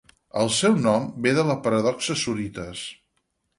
El seu nom ve de la paradoxa sorites.